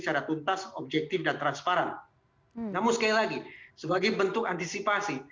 secara tuntas objektif dan transparan namun sekali lagi sebagai bentuk antisipasi